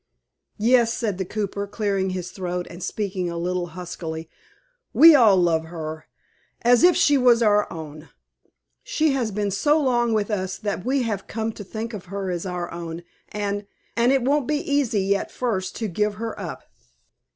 "Yes," said the cooper, clearing his throat, and speaking a little huskily, "we all love her as if she was our own. She has been so long with us that we have come to think of her as our own, and and it won't be easy at first to give her up."